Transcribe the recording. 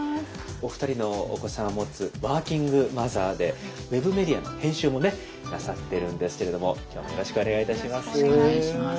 お二人のお子さんをもつワーキングマザーでウェブメディアの編集もねなさってるんですけれども今日もよろしくお願いいたします。